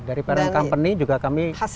dan hasilnya seperti apa